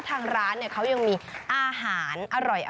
ทางร้านเขายังมีอาหารอร่อย